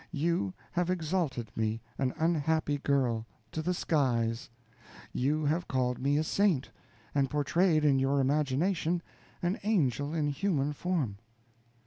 You have exalted me, an unhappy girl, to the skies; you have called me a saint, and portrayed in your imagination an angel in human form.